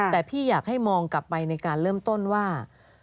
แต่พี่อยากให้มองกลับไปในการเริ่มต้นว่า